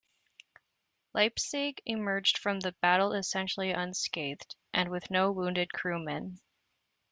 "Leipzig" emerged from the battle essentially unscathed, and with no wounded crewmen.